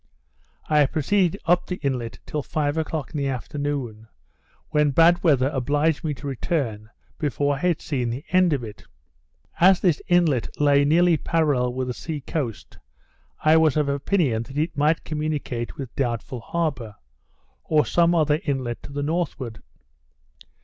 I proceeded up the inlet till five o'clock in the afternoon, when bad weather obliged me to return before I had seen the end of it. As this inlet lay nearly parallel with the sea coast, I was of opinion that it might communicate with Doubtful Harbour, or some other inlet to the northward.